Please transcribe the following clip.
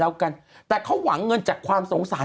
คุณหนุ่มกัญชัยได้เล่าใหญ่ใจความไปสักส่วนใหญ่แล้ว